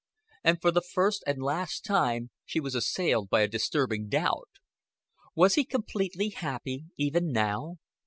And for the first and last time she was assailed by a disturbing doubt. Was he completely happy even now?